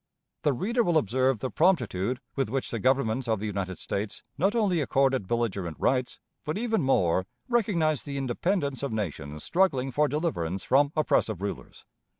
The reader will observe the promptitude with which the Government of the United States not only accorded belligerent rights, but, even more, recognized the independence of nations struggling for deliverance from oppressive rulers.